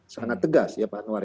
sangat tegas ya pak anwar